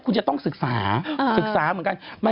กันชาอยู่ในนี้